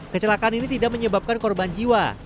kecelakaan ini tidak menyebabkan korban jiwa